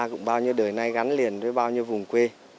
cũng bao nhiêu đời nay gắn liền với bao nhiêu vùng quê